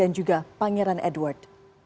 dan juga pangeran edward